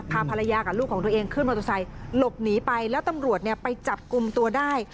พาภรรยากับลูกของตัวเองขึ้นมอเตอร์ไซค์หลบหนีไปแล้วตำรวจเนี่ยไปจับกลุ่มตัวได้